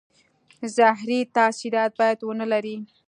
زهري تاثیرات باید ونه لري.